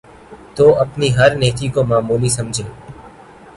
تو اپنی ہر نیکی کو معمولی سمجھے